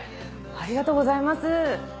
ありがとうございます。